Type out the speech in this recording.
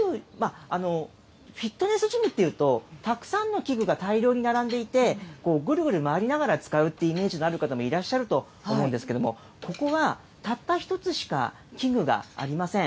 フィットネスジムっていうと、たくさんの器具が大量に並んでいて、ぐるぐる回りながら使うっていうイメージのある方もいらっしゃると思うんですけれども、ここはたった一つしか器具がありません。